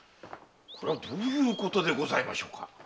これはどういうことでございましょうか？